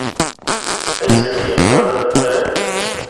اے چڑیا گھر اے۔